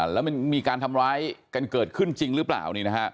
แล้วมันมีการทำร้ายกันเกิดขึ้นจริงหรือเปล่า